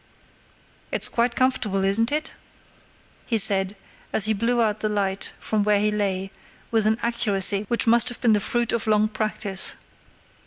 "It's quite comfortable, isn't it?" he said, as he blew out the light from where he lay, with an accuracy which must have been the fruit of long practice.